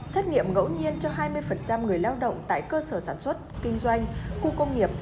xét nghiệm ngẫu nhiên cho hai mươi người lao động tại cơ sở sản xuất kinh doanh khu công nghiệp